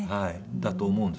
だと思うんですね。